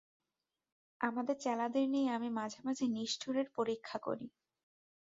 আমার চ্যালাদের নিয়ে আমি মাঝে মাঝে নিষ্ঠুরের পরীক্ষা করি।